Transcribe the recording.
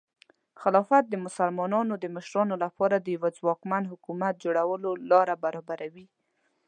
خلافت د مسلمانانو د مشرانو لپاره د یوه ځواکمن حکومت جوړولو لاره برابروي.